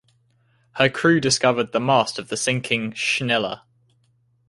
Her crew discovered the mast of the sinking "Schiller".